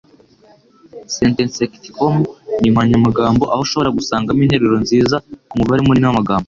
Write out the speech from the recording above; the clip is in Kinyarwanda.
Sentenceictcom ni inkoranyamagambo, aho ushobora gusangamo interuro nziza kumubare munini wamagambo